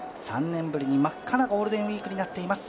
３年ぶりに真っ赤なゴールデンウイークになっています